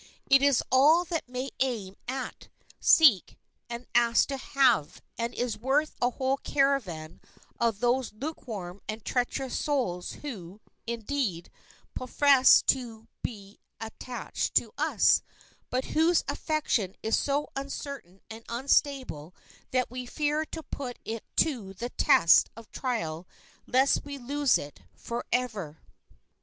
It is all that many aim at, seek, and ask to have, and is worth a whole caravan of those lukewarm and treacherous souls who, indeed, profess to be attached to us, but whose affection is so uncertain and unstable that we fear to put it to the test of trial lest we lose it forever.